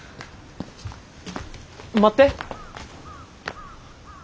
待って！